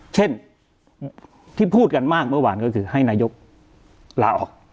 เช่นที่พูดกันมากเมื่อวานก็คือให้นายกลาออก